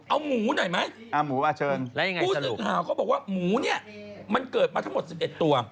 เอาหมูหน่อยไหมผู้สื่อข่าวเขาบอกว่าหมูเนี่ยมันเกิดมาทั้งหมด๑๑ตัว